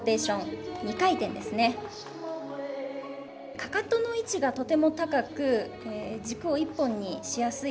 かかとの位置がとても高く軸を１本にしやすい。